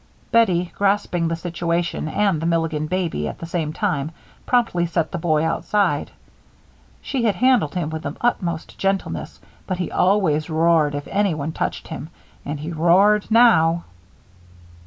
Bettie, grasping the situation and the Milligan baby at the same time, promptly set the boy outside. She had handled him with the utmost gentleness, but he always roared if anyone touched him, and he roared now.